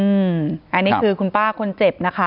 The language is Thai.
อันนี้คือคุณป้าคนเจ็บนะคะ